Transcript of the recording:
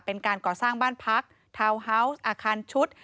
เป็นการก่อสร้างบ้านพักทาวน์ฮาวส์อาคารชุด